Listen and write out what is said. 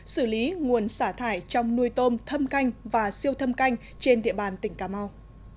xử lý nguồn xả thải trong nuôi tôm thâm canh và siêu thâm canh trên địa bàn tỉnh cà mau